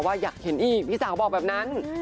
อยากเห็นอีกพี่สาวบอกแบบนั้น